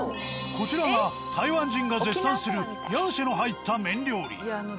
こちらが台湾人が絶賛する鴨血の入った麺料理。